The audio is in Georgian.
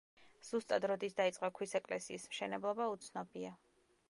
ზუსტად როდის დაიწყო ქვის ეკლესის მშენებლობა, უცნობია.